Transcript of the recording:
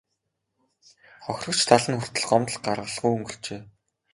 Хохирогч тал нь хүртэл гомдол гаргалгүй өнгөрчээ.